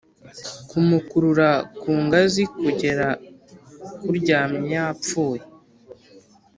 kumukurura ku ngazi kugera kuryamye yapfuye.